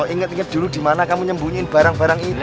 ingat ingat dulu dimana kamu nyembunyiin barang barang itu